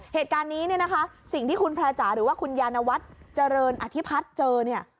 เหตุการณ์นี้เนี่ยนะคะสิ่งที่คุณแพร่จ๋าหรือว่าคุณยานวัฒน์เจริญอธิพัฒน์เจอเนี่ย